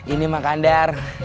ini mang kandar